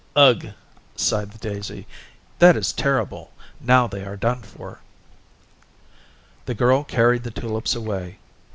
"Ugh!" sighed the daisy, "that is terrible; now they are done for." The girl carried the tulips away.